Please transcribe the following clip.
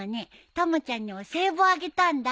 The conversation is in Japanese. たまちゃんにお歳暮あげたんだ。